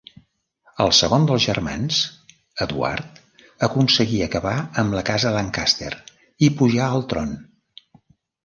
El segon dels germans, Eduard, aconseguí acabar amb la casa Lancaster i pujà al tron.